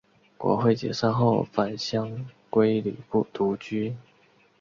国会解散后返乡归里独居。